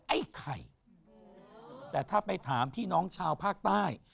ไอ้ไข่แต่ถ้าไปถามพี่น้องชาวภาคใต้